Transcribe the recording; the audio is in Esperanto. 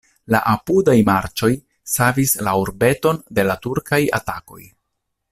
La apudaj marĉoj savis la urbeton de la turkaj atakoj.